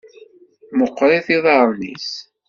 Meqqṛit iḍaṛṛen-is.